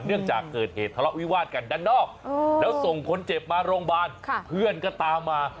จากเกิดเหตุทะเลาะวิวาดกันด้านนอกแล้วส่งคนเจ็บมาโรงพยาบาลเพื่อนก็ตามมา